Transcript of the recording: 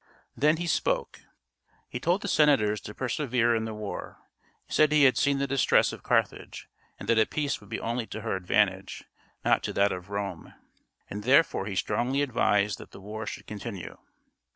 Then he spoke. He told the senators to persevere in the war. He said he had seen the distress of Carthage, and that a peace would be only to her advantage, not to that of Rome, and therefore he strongly advised that the war should continue.